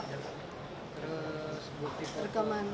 jadi dua belas peti itu apa ya bu